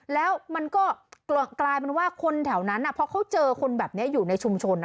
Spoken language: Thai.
แล้วมันก็กลายเป็นว่าคนแถวนั้นพอเขาเจอคนแบบนี้อยู่ในชุมชน